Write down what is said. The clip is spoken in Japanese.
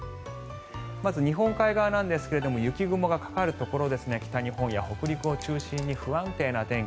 まず、日本海側なんですが雪雲がかかるところ北日本や北陸を中心に不安定な天気。